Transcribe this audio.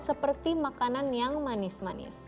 seperti makanan yang manis manis